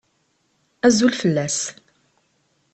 Azul fell-as.